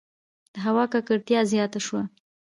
• د هوا ککړتیا زیاته شوه.